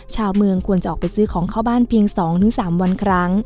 ชาวเมืองควรจะออกไปซื้อของเข้าบ้านเพียง๒๓วันครั้ง